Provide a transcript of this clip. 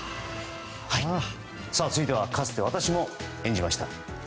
続いてはかつて私も演じました。